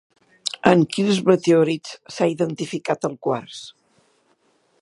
En quins meteorits s'ha identificat el quars?